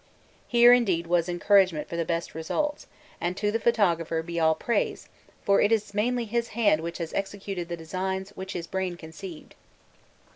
Here, indeed, was encouragement for the best results, and to the photographer be all praise, for it is mainly his hand which has executed the designs which his brain conceived.